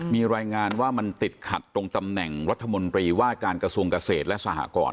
มีรายงานว่ามันติดขัดตรงตำแหน่งรัฐมนตรีว่าการกระทรวงเกษตรและสหกร